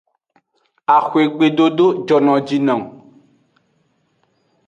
Axwegbe dodo jono ji nung.